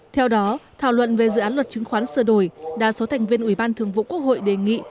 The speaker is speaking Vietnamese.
theo đó thảo luận về dự án luật chứng khoán sửa đổi đa số thành viên ủy ban thường vụ quốc hội đề nghị